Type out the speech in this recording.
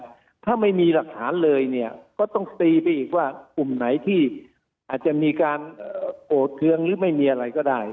ถ้าไม่มีหลักฐานเลยเนี่ยก็ต้องตีไปอีกว่ากลุ่มไหนที่อาจจะมีการโอดเทืองหรือไม่มีอะไรก็ได้